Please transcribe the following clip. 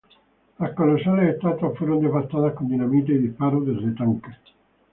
Las colosales estatuas fueron devastadas con dinamita y disparos desde tanques.